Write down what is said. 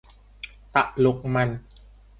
ตลกมัน